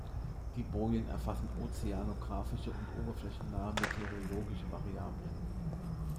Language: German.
Die Bojen erfassen ozeanografische und oberflächennahe meteorologische Variablen.